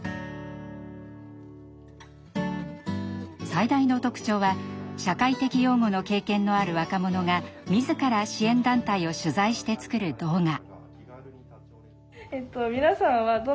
最大の特徴は社会的養護の経験のある若者が自ら支援団体を取材して作る動画。